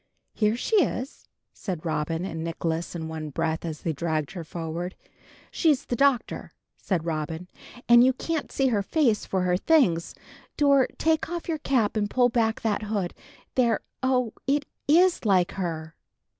"Here she is," said Robin and Nicholas in one breath, as they dragged her forward. "She's the Doctor," said Robin, "and you can't see her face for her things. Dor, take off your cap and pull back that hood. There! Oh, it is like her!"